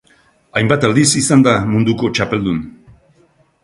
Hainbat aldiz izan da munduko txapeldun.